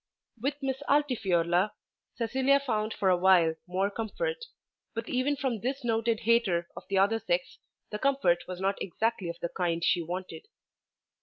With Miss Altifiorla, Cecilia found for awhile more comfort; but even from this noted hater of the other sex the comfort was not exactly of the kind she wanted.